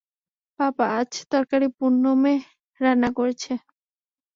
পাপা, আজ তরকারি পুনমে রান্না করেছে।